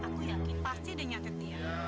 aku yakin pasti dia nyatir dia